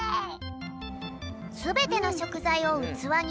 すべてのしょくざいをうつわにいれたら。